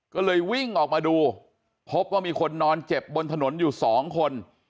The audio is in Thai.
ก็เลยวิ่งออกมาดูพบว่ามีคนนอนเจ็บบนถนนอยู่สองคน